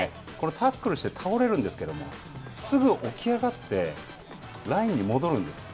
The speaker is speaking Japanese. タックルして倒れるんですけどすぐ起き上がって、ラインに戻るんです。